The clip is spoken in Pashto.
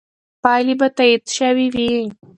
پایلې به تایید شوې وي.